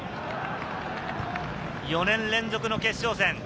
４年連続の決勝戦。